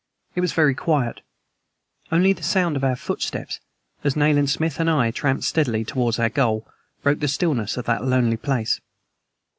It was very quiet. Only the sound of our footsteps, as Nayland Smith and I tramped steadily towards our goal, broke the stillness of that lonely place.